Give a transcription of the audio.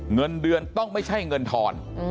เงินเดือนต้องไม่ใช่เงินทอน